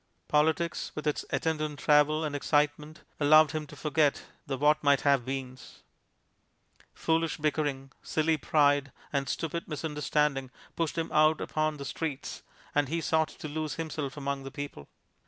Politics, with its attendant travel and excitement, allowed him to forget the what might have beens. Foolish bickering, silly pride, and stupid misunderstanding pushed him out upon the streets and he sought to lose himself among the people.